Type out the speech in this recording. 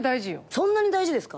そんなに大事ですか？